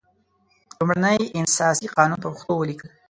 لومړنی اساسي قانون په پښتو ولیکل.